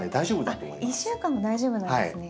あっ１週間も大丈夫なんですね。